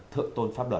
thượng tôn pháp luật